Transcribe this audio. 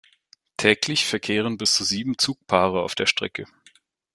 Täglich verkehren bis zu sieben Zugpaare auf der Strecke.